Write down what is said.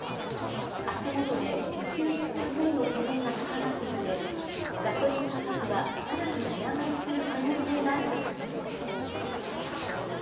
足元で需給ひっ迫への懸念が高まっていて、ガソリン価格はさらに値上がりする可能性があるとしています。